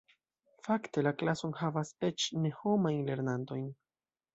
Fakte, la klaso enhavas eĉ ne-homajn lernantojn.